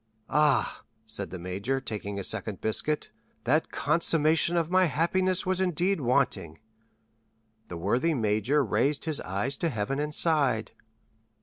"Ah," said the major, taking a second biscuit, "that consummation of my happiness was indeed wanting." The worthy major raised his eyes to heaven and sighed.